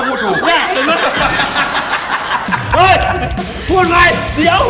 พูดอะไรเดี๋ยว